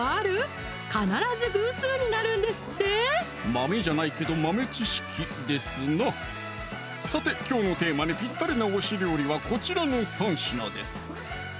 豆じゃないけど豆知識ですなさてきょうのテーマにぴったりな推し料理はこちらの３品です